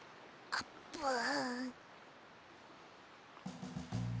あーぷん！